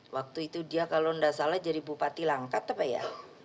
waktu itu dia kalau tidak salah jadi bupati langkat apa ya